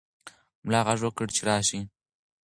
ملا غږ وکړ چې راشه.